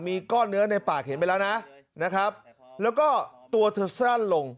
มีก้อนเนื้อในปากเห็นไปแล้วนะนะครับแล้วก็ตัวเธอสั้นลง